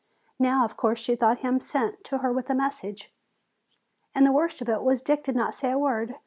Now, of course, she thought him sent to her with a message. And the worst of it was Dick did not say a word.